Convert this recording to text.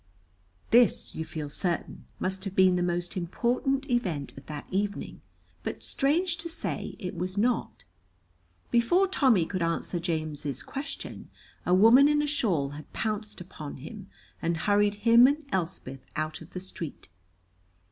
This, you feel certain, must have been the most important event of that evening, but strange to say, it was not. Before Tommy could answer James's question, a woman in a shawl had pounced upon him and hurried him and Elspeth out of the street.